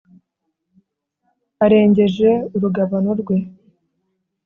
arengeje urugabano rwe